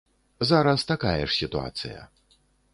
Зараз такая ж сітуацыя.